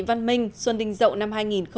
văn minh xuân đình dậu năm hai nghìn một mươi bảy